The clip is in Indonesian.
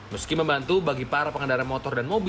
meski membantu bagi para pengendara motor